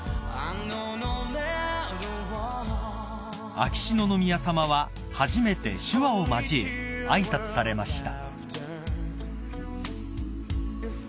［秋篠宮さまは初めて手話を交え挨拶されました］